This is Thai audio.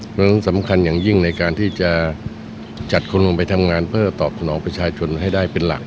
เพราะฉะนั้นสำคัญอย่างยิ่งในการที่จะจัดคนลงไปทำงานเพื่อตอบสนองประชาชนให้ได้เป็นหลัก